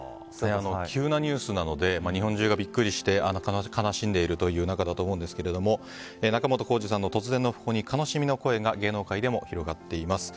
急なニュースなので日本中がビックリして悲しんでいるという中だと思うんですけれども仲本工事さんの突然の訃報に悲しみの声が芸能界でも広がっています。